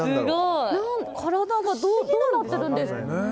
体がどうなってるんですかね。